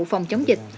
phòng chống dịch